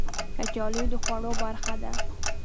کچالو د خوړو برخه ده